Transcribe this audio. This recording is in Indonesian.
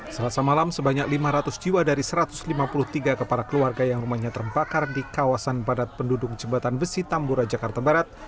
selasa malam sebanyak lima ratus jiwa dari satu ratus lima puluh tiga kepala keluarga yang rumahnya terbakar di kawasan padat penduduk jembatan besi tambora jakarta barat